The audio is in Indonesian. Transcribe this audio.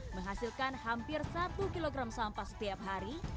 menghasilkan hampir satu kilogram sampah setiap hari